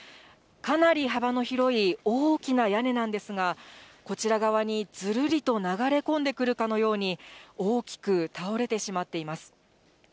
かなり幅の広い大きな屋根なんですが、こちら側にずるりと流れ込んでくるかのように、大きく倒れてしまっています。